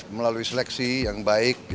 melalui seleksi yang baik